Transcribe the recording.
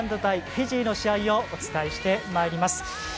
フィジーの試合をお伝えしてまいります。